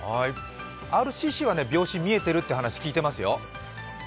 ＲＣＣは秒針が見えているという話を聞いていますよ。